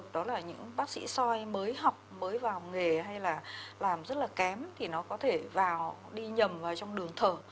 đó là những bác sĩ soi mới học mới vào nghề hay là làm rất là kém thì nó có thể vào đi nhầm trong đường thở